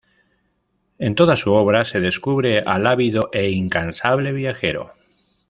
En toda su obra se descubre al ávido e incansable viajero.